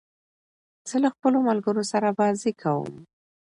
زه له خپلو ملګرو سره بازۍ کوم.